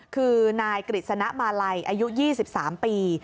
คือนายกฤษณะมาลัยอายุ๒๓ปี